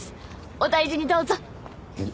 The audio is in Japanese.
お大事にどうぞ！